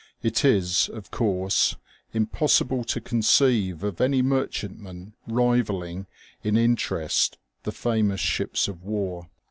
It is, of course, impossible to conceive of any merchantman rivalling in 193 OLD SHIPS. interest the famous ships of war.